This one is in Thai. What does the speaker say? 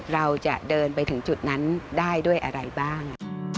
เราจะเดินไปถึงจุดนั้นได้ด้วยอะไรบ้าง